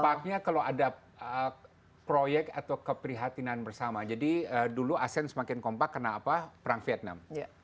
dampaknya kalau ada proyek atau keprihatinan bersama jadi dulu asean semakin kompak karena apa perang vietnam